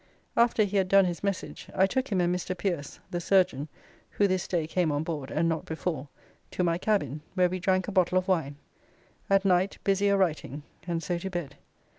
After he had done his message, I took him and Mr. Pierce, the surgeon (who this day came on board, and not before), to my cabin, where we drank a bottle of wine. At night, busy a writing, and so to bed.